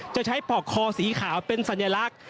จะใช้ปอกคอสีขาวเป็นสัญลักษณ์